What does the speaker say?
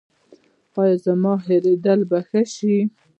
ایا زما هیریدل به ښه شي؟